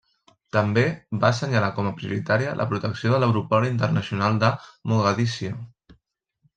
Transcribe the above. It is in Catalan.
També va assenyalar com a prioritària la protecció de l'Aeroport Internacional de Mogadiscio.